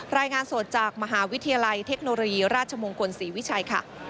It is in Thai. รายงานสดจากมหาวิทยาลัยเทคโนโลยีราชมงคลศรีวิชัยค่ะ